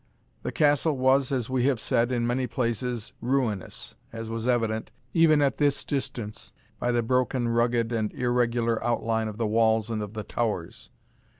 The castle was, as we have said, in many places ruinous, as was evident, even at this distance, by the broken, rugged, and irregular outline of the walls and of the towers.